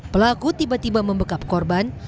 pelaku tiba tiba membekap korban